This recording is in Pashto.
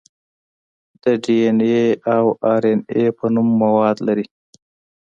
د ډي ان اې او ار ان اې په نوم مواد لري.